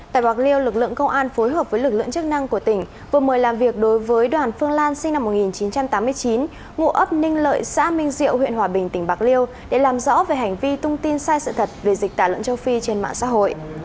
tại bạc liêu lực lượng công an phối hợp với lực lượng chức năng của tỉnh vừa mời làm việc đối với đoàn phương lan sinh năm một nghìn chín trăm tám mươi chín ngụ ấp ninh lợi xã minh diệu huyện hòa bình tỉnh bạc liêu để làm rõ về hành vi thông tin sai sự thật về dịch tả lợn châu phi trên mạng xã hội